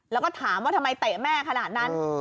แล้วก็ถามว่าทำไมเตะแม่ขนาดนั้น